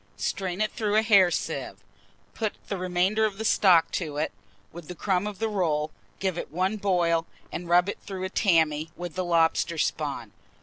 Strain it through a hair sieve, put the remainder of the stock to it, with the crumb of the rolls; give it one boil, and rub it through a tammy, with the lobster spawn.